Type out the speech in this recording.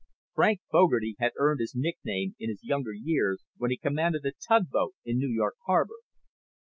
Frank Fogarty had earned his nickname in his younger years when he commanded a tugboat in New York Harbor.